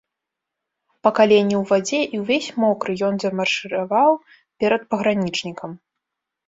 Па калені ў вадзе і ўвесь мокры, ён замаршыраваў перад пагранічнікам.